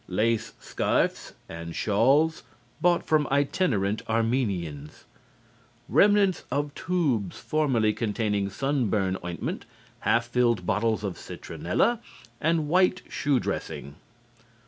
Lace scarfs and shawls, bought from itinerant Armenians. Remnants of tubes formerly containing sunburn ointment, half filled bottles of citronella and white shoe dressing.